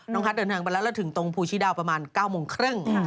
น้องฮัทรเดินทางไปแล้วถึงตรงภูชีดาวประมาณ๙๓๐น